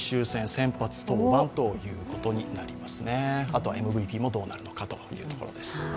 あとはＭＶＰもどうなるのかというところです。